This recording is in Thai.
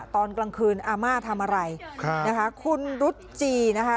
ตอนกลางคืนอาม่าทำอะไรนะคะคุณรุจจีนะคะ